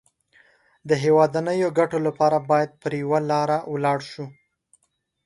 د هېوادنيو ګټو لپاره بايد پر يوه لاره ولاړ شو.